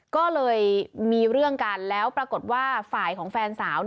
ก็เลยมีเรื่องกันแล้วปรากฏว่าฝ่ายของแฟนสาว